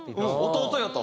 「弟よ」と。